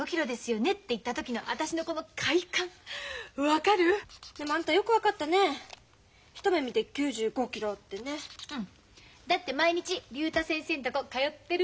だって毎日竜太先生んとこ通ってるもん。